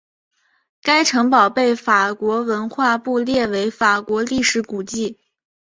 该城堡被法国文化部列为法国历史古迹。